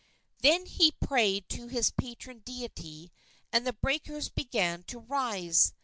Then he prayed to his patron deity, and the breakers began to rise.